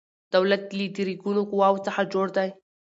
دولت له درې ګونو قواو څخه جوړ دی